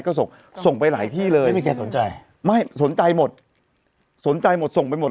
ก็ส่งส่งไปหลายที่เลยไม่มีใครสนใจไม่สนใจหมดสนใจหมดส่งไปหมด